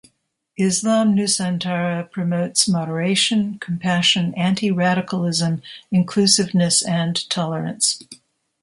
Islam Nusantara promotes moderation, compassion, anti-radicalism, inclusiveness and tolerance.